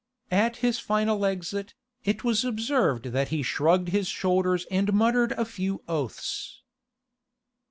At his final exit, it was observed that he shrugged his shoulders and muttered a few oaths.